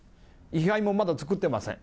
位はいもまだ作ってません。